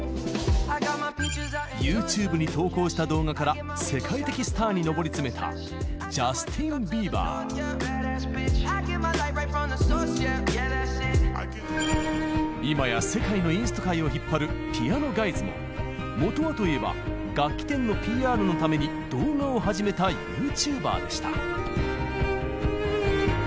ＹｏｕＴｕｂｅに投稿した動画から世界的スターに上り詰めた今や世界のインスト界を引っ張るピアノ・ガイズももとはといえば楽器店のＰＲのために動画を始めたＹｏｕＴｕｂｅｒでした。